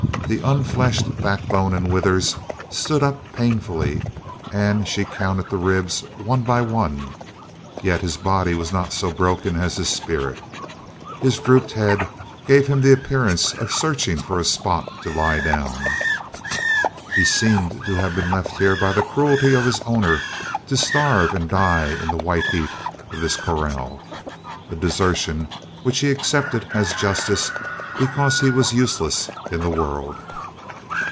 The unfleshed backbone and withers stood up painfully and she counted the ribs one by one. Yet his body was not so broken as his spirit. His drooped head gave him the appearance of searching for a spot to lie down. He seemed to have been left here by the cruelty of his owner to starve and die in the white heat of this corral a desertion which he accepted as justice because he was useless in the world.